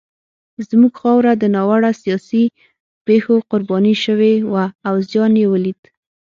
زموږ خاوره د ناوړه سیاسي پېښو قرباني شوې وه او زیان یې ولید.